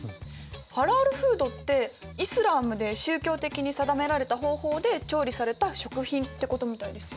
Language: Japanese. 「ハラールフード」ってイスラームで宗教的に定められた方法で調理された食品ってことみたいですよ。